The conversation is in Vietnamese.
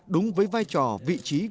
đúng với vai trò vị trí